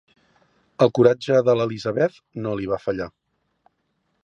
El coratge de l'Elizabeth no li va fallar.